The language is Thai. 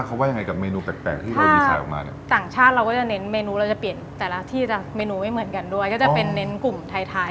ก็จะเป็นเหน็นกลุ่มท้าย